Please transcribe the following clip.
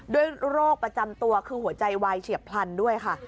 โรคประจำตัวคือหัวใจวายเฉียบพลันด้วยค่ะ